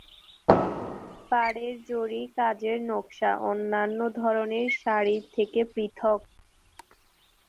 পাড়ের জরি কাজের নকশা অন্যান্য ধরনের শাড়ির থেকে পৃথক।